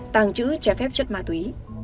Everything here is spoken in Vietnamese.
tàng trữ che phép chất ma túy